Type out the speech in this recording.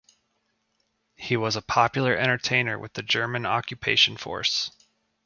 He was a popular entertainer with the German occupation force.